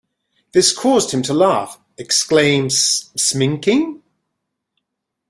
This caused him to laugh, exclaim Sminking?!